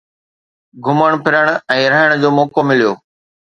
گهمڻ ڦرڻ ۽ رهڻ جو موقعو مليو